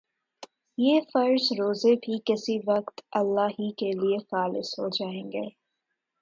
یہ فرض روزے بھی کسی وقت اللہ ہی کے لیے خالص ہو جائیں گے